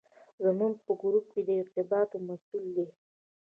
زموږ په ګروپ کې د ارتباطاتو مسوول دی.